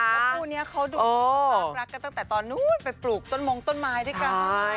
แล้วคู่นี้เขาดูน่ารักกันตั้งแต่ตอนนู้นไปปลูกต้นมงต้นไม้ด้วยกัน